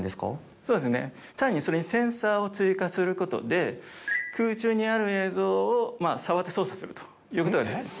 そうですねさらにそれにセンサーを追加することで空中にある映像を触って操作するということができます。